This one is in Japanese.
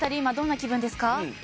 今、どんな気分ですか？